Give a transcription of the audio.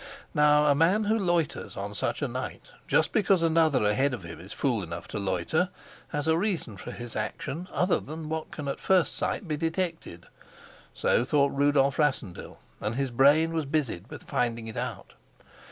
Now, a man who loiters on such a night, just because another ahead of him is fool enough to loiter, has a reason for his action other than what can at first sight be detected. So thought Rudolf Rassendyll, and his brain was busied with finding it out.